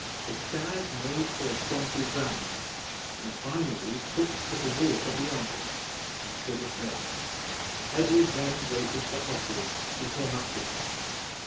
The stag made for a swampy ground, and finally took to the water beyond it, and stood at bay. Edward then waited for Oswald, who came up with him.